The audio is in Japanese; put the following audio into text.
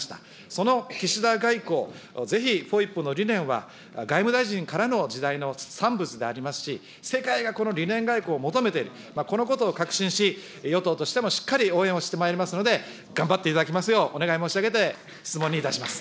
その岸田外交、ぜひ、ＦＯＩＰの理念は外務大臣からの時代の産物でありますし、世界が、この理念外交を求めている、このことを確信し、与党としてもしっかり応援をしてまいりますので、頑張っていただきますようお願い申し上げて、質問にいたします。